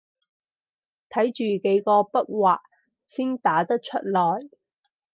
睇住幾個筆劃先打得出來